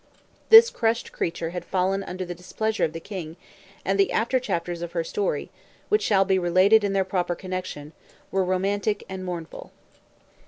This crushed creature had fallen under the displeasure of the king, and the after chapters of her story, which shall be related in their proper connection, were romantic and mournful.